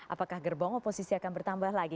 apakah gerbong oposisi akan bertambah lagi